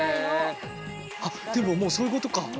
あっでももうそういうことか。